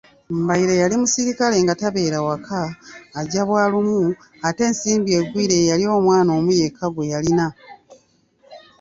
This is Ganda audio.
Mbaire yali musirikale nga tabeera waka, ajja bwalumu, ate Nsimbi Egwire yeeyali omwana omu yekka gweyalina.